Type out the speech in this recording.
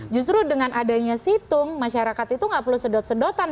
justru dengan adanya situng masyarakat itu nggak perlu sedot sedotan